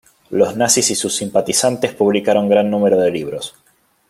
Los nazis y sus simpatizantes publicaron gran número de libros.